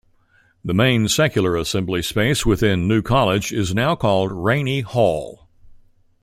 The main secular assembly space within New College is now called Rainy Hall.